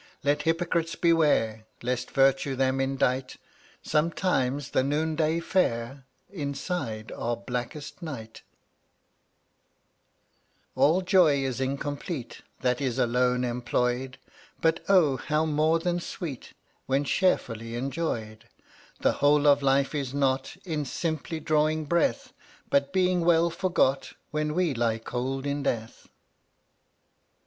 Let hypocrites beware Lest Virtue them indite; Sometimes the noonday fair, Inside, are blackest night. 0Utt$ All joy is incomplete (^ttt/lt* That is alone employed, But, oh, how more than sweet \J*t' When sharefully enjoyed. The whole of life is not In simply drawing breath, But being well forgot When we lie cold in death.